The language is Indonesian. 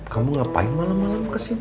kamu ngapain malem malem kesini